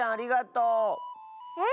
うん。